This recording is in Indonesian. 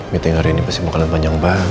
meeting hari ini pasti akan sepanjang banget